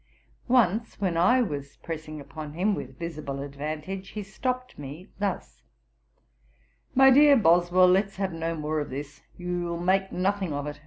Once when I was pressing upon him with visible advantage, he stopped me thus: 'My dear Boswell, let's have no more of this; you'll make nothing of it.